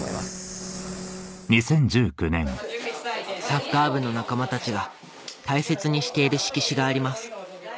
サッカー部の仲間たちが大切にしている色紙があります